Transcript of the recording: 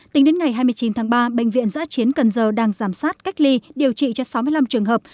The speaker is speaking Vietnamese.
tính đến ngày hai mươi chín tháng ba bệnh viện giã chiến cần giờ đang giảm sát cách ly điều trị cho sáu mươi năm trường hợp